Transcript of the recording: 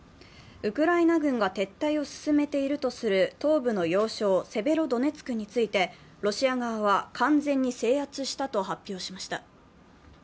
ウクライナ軍が撤退を進めているとする東部の要衝、セベロドネツクについて、ロシア側は完全に制圧したと発表しました。